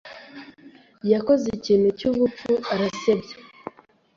Yakoze ikintu cyubupfu arasebya.